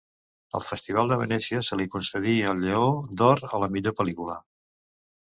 Al Festival de Venècia se li concedí el Lleó d'Or a la millor pel·lícula.